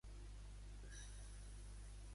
Segons 'El Periódico', és una ciutat angoixada.